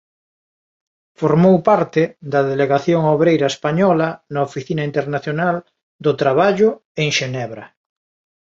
Formou parte da delegación obreira española na Oficina Internacional do Traballo en Xenebra.